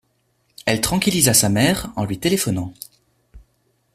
Elle tranquillisa sa mère en lui téléphonant.